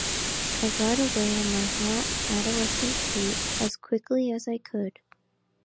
I got away on my hot adolescent feet as quickly as I could.